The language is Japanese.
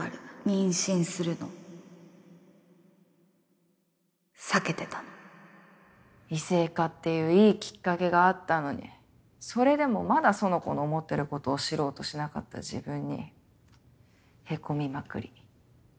妊娠するの避けてたの異性化っていういいきっかけがあったのにそれでもまだ苑子の思ってることを知ろうとしなかった自分にへこみまくり。